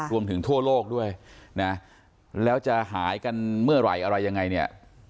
ทั่วโลกด้วยนะแล้วจะหายกันเมื่อไหร่อะไรยังไงเนี่ย